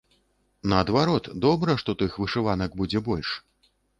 Наадварот, добра, што тых вышыванак будзе больш.